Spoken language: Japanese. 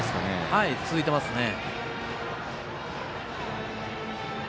はい、続いてますね。